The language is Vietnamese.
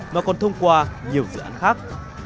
mà còn thông qua nhiều dự án khác